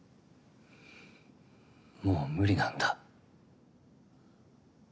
もう無理なんだ。